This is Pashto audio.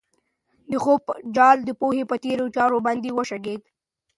د خوب جال د پوهې په تېره چاړه باندې وشکېد.